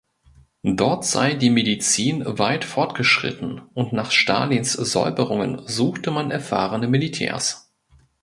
Dort sei die Medizin weit fortgeschritten und nach Stalins Säuberungen suche man erfahrene Militärs.